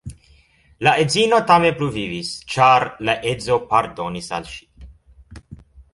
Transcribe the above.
La edzino tamen pluvivis, ĉar la edzo pardonis al ŝi.